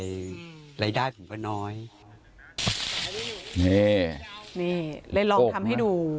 อืมไรได้ผมก็น้อยนี่นี่เลยลองทำให้ดู